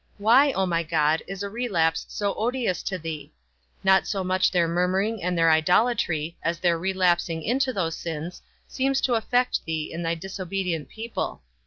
Why, O my God, is a relapse so odious to thee? Not so much their murmuring and their idolatry, as their relapsing into those sins, seems to affect thee in thy disobedient people.